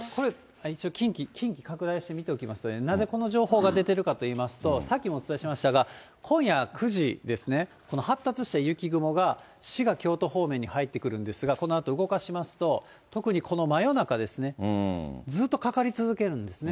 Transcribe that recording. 近畿、拡大して見ておきますとね、なぜ、この情報が出てるかといいますと、さっきもお伝えしましたが、今夜９時ですね、発達した雪雲が、滋賀、京都方面に入ってくるんですが、このあと動かしますと、特にこの真夜中ですね、ずーっとかかり続けるんですね。